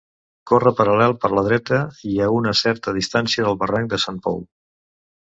Corre paral·lel per la dreta, i a una certa distància, del barranc de Sant Pou.